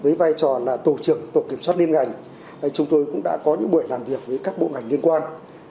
với vai trò là tổ trưởng tổ kiểm soát liên ngành chúng tôi cũng đã có những buổi làm việc với các bộ ngành liên quan